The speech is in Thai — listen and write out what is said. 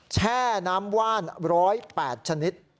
แช่น้ำว่าน๑๐๘ชนิด